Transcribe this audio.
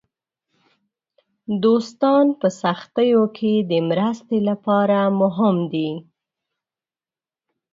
دوستان په سختیو کې د مرستې لپاره مهم دي.